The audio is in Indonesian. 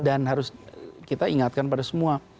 dan harus kita ingatkan pada semua